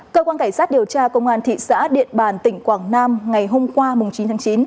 cơ quan cảnh sát điều tra công an thị xã điện bàn tỉnh quảng nam ngày hôm qua chín tháng chín